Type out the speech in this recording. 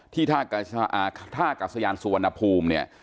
ที่ท่ากับสยานสุวรรณภูมิเนี่ย